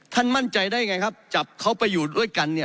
มั่นใจได้ไงครับจับเขาไปอยู่ด้วยกันเนี่ย